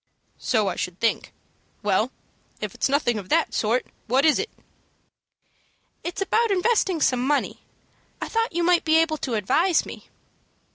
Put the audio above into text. "So I should think. Well, if it's nothing of that sort, what is it?" "It's about investing some money. I thought you might be able to advise me."